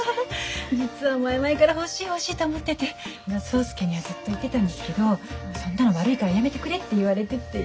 実は前々から欲しい欲しいと思ってて草輔にはずっと言ってたんですけどそんなの悪いからやめてくれって言われてて。